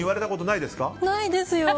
ないですよ。